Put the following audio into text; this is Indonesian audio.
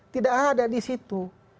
tidak ada disitu